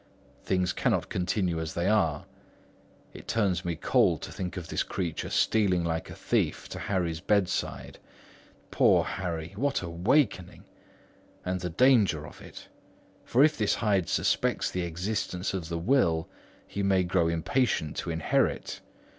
Things cannot continue as they are. It turns me cold to think of this creature stealing like a thief to Harry's bedside; poor Harry, what a wakening! And the danger of it; for if this Hyde suspects the existence of the will, he may grow impatient to inherit.